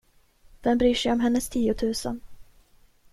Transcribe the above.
Vem bryr sig om hennes tiotusen?